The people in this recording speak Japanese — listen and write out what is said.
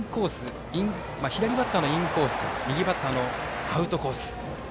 左バッターのインコース右バッターのアウトコース。